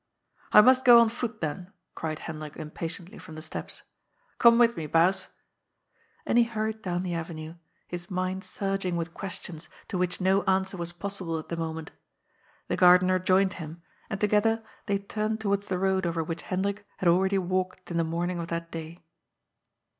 " I must go on foot, then,'* cried Hendrik impatiently from the steps. " Come with me. Baas." And he hurried down the avenue, his mind surging with questions to which no answer was possible at the moment The gardener joined him, and together they turned towards the road over which Hendrik had already walked in the morning of that day.